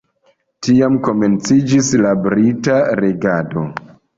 Tiam komenciĝis la brita regado.